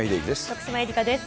徳島えりかです。